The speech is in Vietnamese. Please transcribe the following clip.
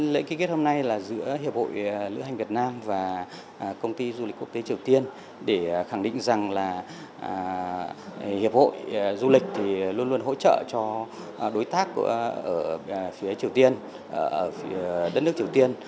lễ ký kết hôm nay là giữa hiệp hội lữ hành việt nam và công ty du lịch quốc tế triều tiên để khẳng định rằng là hiệp hội du lịch thì luôn luôn hỗ trợ cho đối tác ở phía triều tiên ở đất nước triều tiên